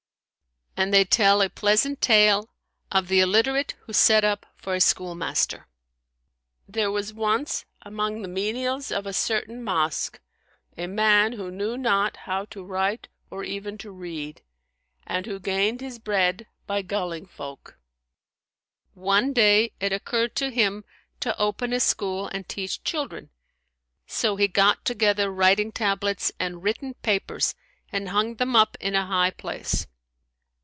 '" And they tell a pleasant tale of the ILLITERATE WHO SET UP FOR A SCHOOLMASTER There was once, among the menials[FN#171] of a certain mosque, a man who knew not how to write or even to read and who gained his bread by gulling folk. One day, it occurred to him to open a school and teach children; so he got together writing tablets and written papers and hung them up in a high place.